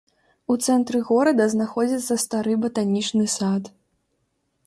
У цэнтры горада знаходзіцца стары батанічны сад.